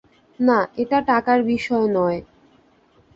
না, এটা টাকার বিষয় নয়।